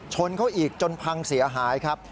ชนเขาอีกจนพังเสียหายครับ